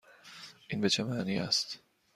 این به چه معنی است؟